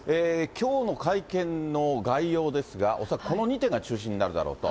きょうの会見の概要ですが、恐らくこの２点が中心になるだろうと。